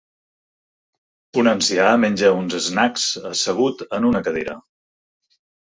Un ancià menja uns snacks assegut en una cadira.